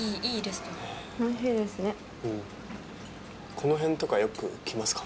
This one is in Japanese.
この辺とかよく来ますか？